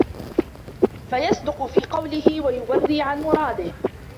فَيَصْدُقُ فِي قَوْلِهِ وَيُوَرِّي عَنْ مُرَادِهِ